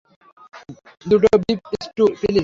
দুটো beef stew, please.